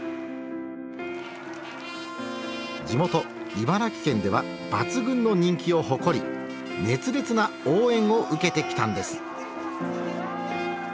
地元茨城県では抜群の人気を誇り熱烈な応援を受けてきたんです。